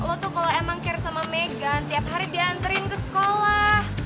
lu tuh kalo emang care sama megan tiap hari dia anterin ke sekolah